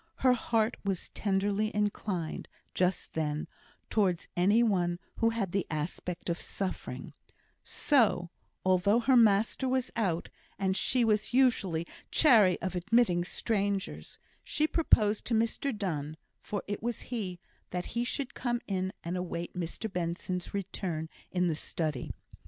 Her heart was tenderly inclined just then towards any one who had the aspect of suffering; so, although her master was out, and she was usually chary of admitting strangers, she proposed to Mr Donne (for it was he) that he should come in and await Mr Benson's return in the study.